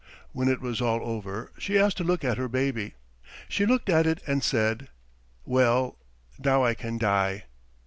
When it was all over she asked to look at her baby. She looked at it and said: "'Well, now I can die.'